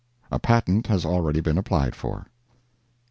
A patent has already been applied for.